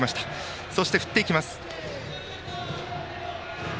そして振っていきます。